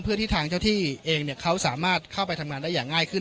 เพื่อที่ทางเจ้าที่เขาสามารถเอาไปทำงานได้ง่ายขึ้นน่ะ